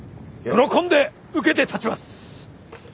喜んで受けて立ちます。